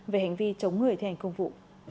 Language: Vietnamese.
về hành vi chống người thi hành công vụ